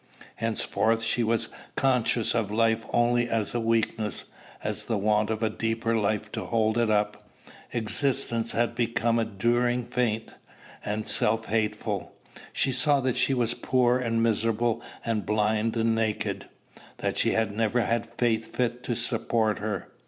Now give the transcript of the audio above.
Henceforth she was conscious of life only as a weakness, as the want of a deeper life to hold it up. Existence had become a during faint, and self hateful. She saw that she was poor and miserable and blind and naked, that she had never had faith fit to support her.